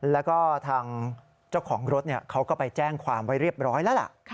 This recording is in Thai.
แล้วก็ทางเจ้าของรถเขาก็ไปแจ้งความไว้เรียบร้อยแล้วล่ะ